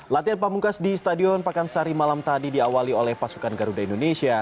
latihan pamungkas di stadion pakansari malam tadi diawali oleh pasukan garuda indonesia